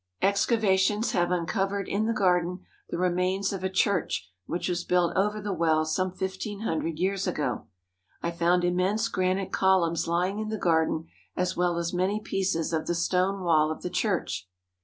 Excavations have uncovered in the garden the remains of a church which was built over the well some fifteen hundred years ago. I found immense granite columns lying in the garden as well as many pieces of the stone wall of the church.